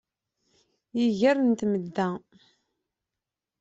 Iger n temda